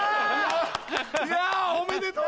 いやおめでとう！